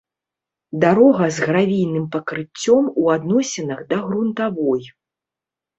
дарога з гравійным пакрыццём у адносінах да грунтавой